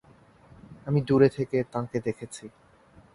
আমি দূরে থেকে তাঁকে দেখছি।